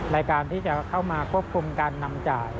ในการที่จะเข้ามาควบคุมการนำจ่าย